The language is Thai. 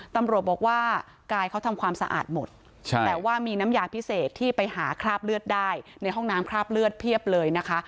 ตำรวจบอกว่ากายเขาทำความสะอาดหมดแต่ว่ามีน้ำยาพิเศษที่ไปหาคราบเลือดได้ในห้องน้ำคราบเลือดเพียบเลยนะคะ